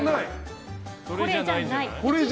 これじゃない。